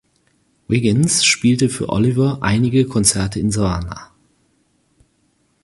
Wiggins spielte für Oliver einige Konzerte in Savannah.